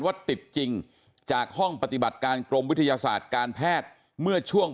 ว่าติดจริงจากห้องปฏิบัติการกรมวิทยาศาสตร์การแพทย์เมื่อช่วง